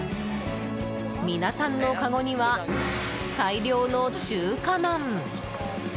皆さんのかごには大量の中華まん。